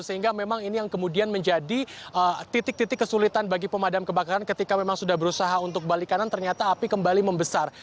sehingga memang ini yang kemudian menjadi titik titik kesulitan bagi pemadam kebakaran ketika memang sudah berusaha untuk balik kanan ternyata api kembali membesar